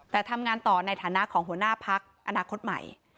แต่ทำงานต่อในฐานะของหัวหน้าพักอนาคตใหม่